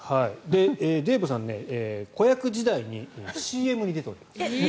デーブさん、子役時代にＣＭに出ております。